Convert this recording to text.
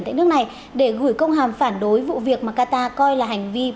tại nước này để gửi công hàm phản đối vụ việc mà qatar coi là hành vi